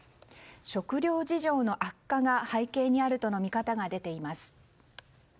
食糧事情の悪化が背景にあるとの見方が出ています。